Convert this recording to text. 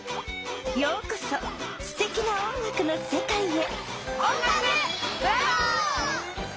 ようこそすてきな音楽のせかいへ！